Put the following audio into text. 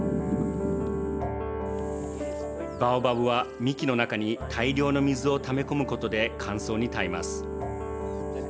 バオバブは、幹の中に大量の水をため込むことで乾燥に耐えます。